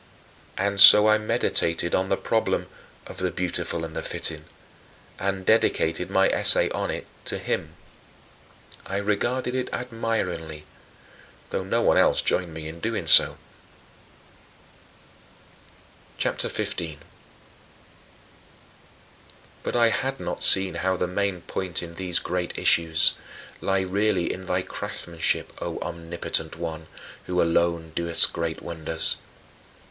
And so I meditated on the problem "of the beautiful and the fitting" and dedicated my essay on it to him. I regarded it admiringly, though no one else joined me in doing so. CHAPTER XV 24. But I had not seen how the main point in these great issues [concerning the nature of beauty] lay really in thy craftsmanship, O Omnipotent One, "who alone doest great wonders."